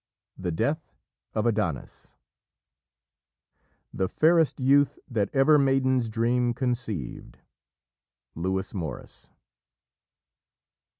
THE DEATH OF ADONIS "The fairest youth that ever maiden's dream conceived." Lewis Morris.